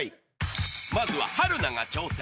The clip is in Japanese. ［まずは春菜が挑戦。